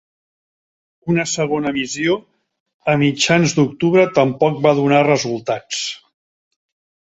Una segona missió a mitjans d'octubre tampoc va donar resultats.